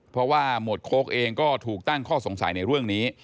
เพราะว่าหมวดโค้กเองก็ถูกตั้งข้อสงสัยในเรื่องนี้